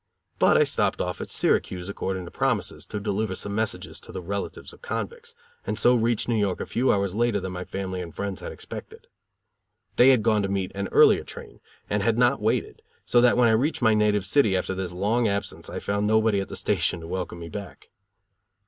But I stopped off at Syracuse, according to promises, to deliver some messages to the relatives of convicts, and so reached New York a few hours later than my family and friends had expected. They had gone to meet an earlier train, and had not waited, so that when I reached my native city after this long absence I found nobody at the station to welcome me back.